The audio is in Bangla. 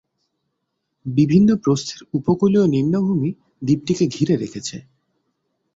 বিভিন্ন প্রস্থের উপকূলীয় নিম্নভূমি দ্বীপটিকে ঘিরে রেখেছে।